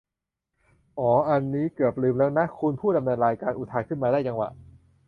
"อ๋อ อันนี้ผมเกือบลืมแล้วน่ะ" คุณผู้ดำเนินรายการ อุทานขึ้นมาอย่างได้จังหวะ